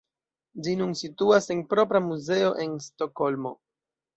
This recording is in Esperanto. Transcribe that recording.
Ĝi nun situas en propra muzeo en Stokholmo.